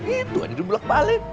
itu aja dibulak balik